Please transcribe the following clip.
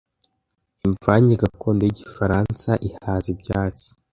Imvange gakondo yigifaransa "ihaza ibyatsi"